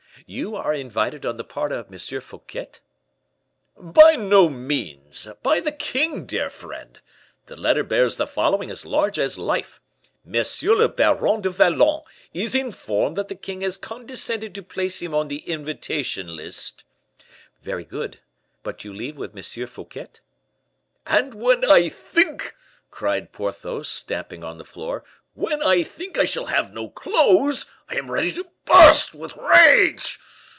You are invited on the part of M. Fouquet?" "By no means! by the king, dear friend. The letter bears the following as large as life: 'M. le Baron du Vallon is informed that the king has condescended to place him on the invitation list '" "Very good; but you leave with M. Fouquet?" "And when I think," cried Porthos, stamping on the floor, "when I think I shall have no clothes, I am ready to burst with rage!